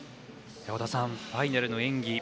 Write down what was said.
織田さん、ファイナルの演技